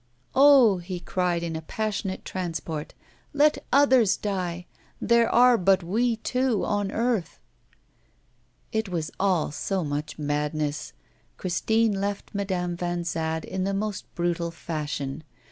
'Oh!' he cried in a passionate transport. 'Let others die, there are but we two on earth.' It was all so much madness. Christine left Madame Vanzade in the most brutal fashion.